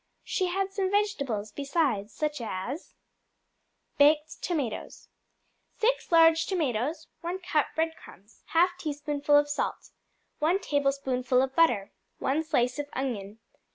She had some vegetables besides, such as Baked Tomatoes 6 large tomatoes. 1 cup bread crumbs. 1/2 teaspoonful of salt. 1 tablespoonful of butter. 1 slice of onion.